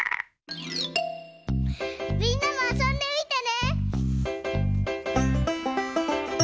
みんなもあそんでみてね！